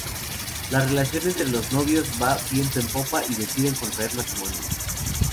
La relación entre los novios va viento en popa y deciden contraer matrimonio.